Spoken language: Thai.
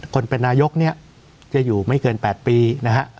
คนเป็นนายกเนี่ยจะอยู่ไม่เกิน๘ปีนะฮะ